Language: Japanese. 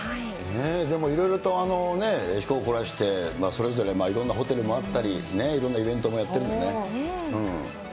でもいろいろと趣向を凝らして、それぞれいろんなホテルもあったり、いろんなイベントもやってるんですね。